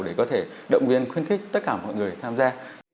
để có thể động viên khuyến khích tất cả mọi người tham gia